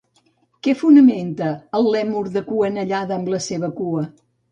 Què fonamenta el lèmur de cua anellada amb la seva cua?